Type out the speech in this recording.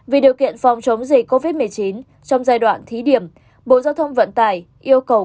vì điều kiện phòng chống dịch covid một mươi chín trong giai đoạn thí điểm bộ giao thông vận tải yêu cầu